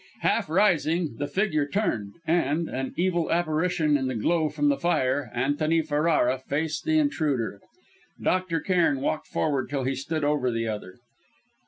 Half rising, the figure turned and, an evil apparition in the glow from the fire, Antony Ferrara faced the intruder. Dr. Cairn walked forward, until he stood over the other.